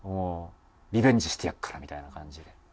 リベンジしてやるからみたいな感じで。